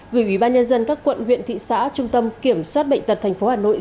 gửi ủy ban nhân dân các quận huyện thị xã trung tâm kiểm soát bệnh tật tp hà nội